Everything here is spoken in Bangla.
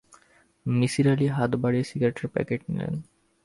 নিসার আলি হাত বাড়িয়ে সিগারেটের প্যাকেট নিলেন।